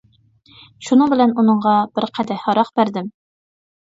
شۇنىڭ بىلەن ئۇنىڭغا بىر قەدەھ ھاراق بەردىم.